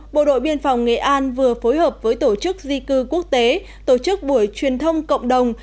bộ đội biên phòng nghệ an vừa phối hợp với tổ chức di cư quốc tế tổ chức buổi truyền thông cộng đồng